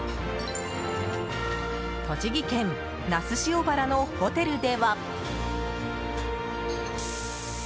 栃木県那須塩原のホテルでは。